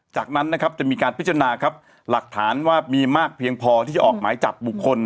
จากนั้นนะครับจะมีการพิจารณาครับหลักฐานว่ามีมากเพียงพอที่จะออกหมายจับบุคคล